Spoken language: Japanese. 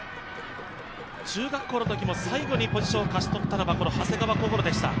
中学校のときも最後にポジションを勝ち取ったのが長谷川想でした。